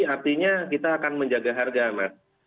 artinya kita akan menjaga harga mas